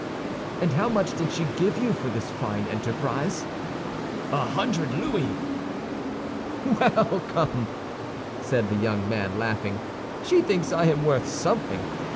"And how much did she give you for this fine enterprise?" "A hundred louis." "Well, come!" said the young man, laughing, "she thinks I am worth something.